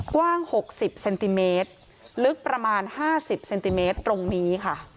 กว้าง๖๐เซนติเมตรลึกประมาณ๕๐เซนติเมตรตรงนี้ค่ะ